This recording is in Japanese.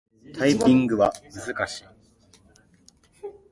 タイピングは難しい。